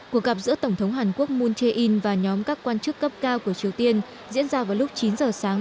cuộc gặp giữa tổng thống hàn quốc moon jae in và nhóm các quan chức cấp cao của triều tiên diễn ra vào lúc chín giờ sáng